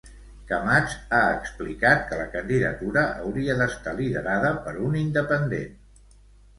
Camats ha explicat que la candidatura hauria d'estar liderada per un "independent".